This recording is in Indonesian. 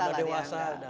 ya sudah dewasa